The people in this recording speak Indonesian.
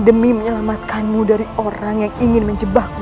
demi menyelamatkanmu dari orang yang ingin menjebakmu